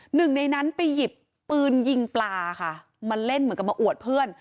หนึ่งในนั้นไปหยิบปืนยิงปลาค่ะมาเล่นเหมือนกับมาอวดเพื่อน